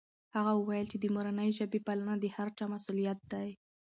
هغه وویل چې د مورنۍ ژبې پالنه د هر چا مسؤلیت دی.